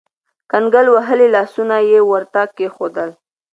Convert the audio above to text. کنګل وهلي لاسونه يې ورته کېښودل.